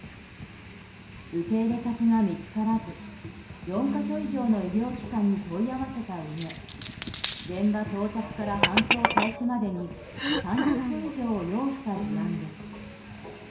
受け入れ先が見つからず４か所以上の医療機関に問い合わせたうえ現場到着から搬送開始までに３０分以上を要した事案です。